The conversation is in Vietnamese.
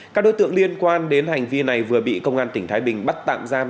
các đối tượng liên quan đến hành vi này vừa bị công an tỉnh thái bình bắt tạm giam